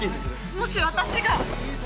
もし私が。